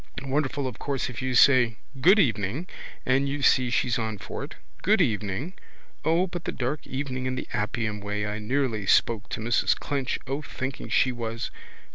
Wonderful of course if you say: good evening, and you see she's on for it: good evening. O but the dark evening in the Appian way I nearly spoke to Mrs Clinch O thinking she was.